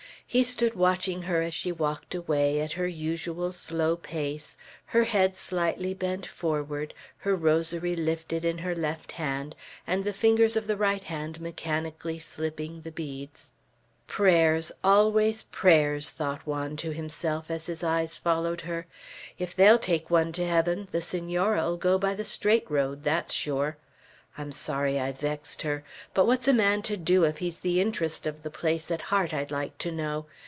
He stood watching her as she walked away, at her usual slow pace, her head slightly bent forward, her rosary lifted in her left hand, and the fingers of the right hand mechanically slipping the beads. "Prayers, always prayers!" thought Juan to himself, as his eyes followed her. "If they'll take one to heaven, the Senora'll go by the straight road, that's sure! I'm sorry I vexed her. But what's a man to do, if he's the interest of the place at heart, I'd like to know.